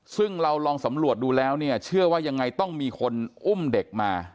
ซึ่งเราลองสำรวจดูแล้วเนี่ยเชื่อว่ายังไงต้องมีคนอุ้มเด็กมา